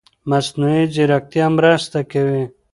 مصنوعي ځيرکتیا مرسته کوي.